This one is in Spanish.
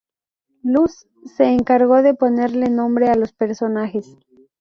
Luz se encargó de ponerle nombre a los personajes.